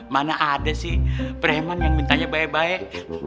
mana ada sih preman yang mintanya baik baik